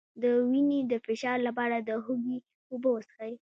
د وینې د فشار لپاره د هوږې اوبه وڅښئ